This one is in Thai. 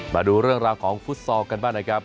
มาดูเรื่องราวของฟุตซอลกันบ้างนะครับ